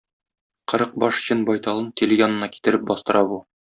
Кырык баш җен байталын Тиле янына китереп бастыра бу.